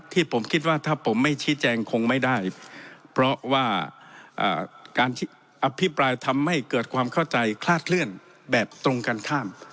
ที่ผมคิดว่าถ้าผมไม่ชี้แจงคงไม่ได้เพราะว่าการอภิปรายทำให้เกิดความเข้าใจคลาดเคลื่อนแบบตรงกันข้าม